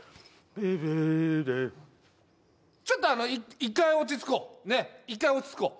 ちょっとあの一回落ち着こうねっ一回落ち着こう